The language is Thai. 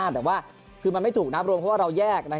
แต่ว่าคือมันไม่ถูกนับรวมเพราะว่าเราแยก